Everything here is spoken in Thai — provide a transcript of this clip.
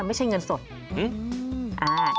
สวัสดีค่ะ